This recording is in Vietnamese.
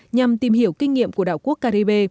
nhằm tìm hiểu kinh nghiệm của đảo quốc caribe